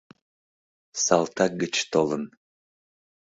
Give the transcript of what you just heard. Салтак гыч толын...